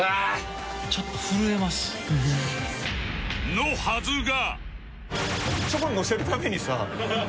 のはずが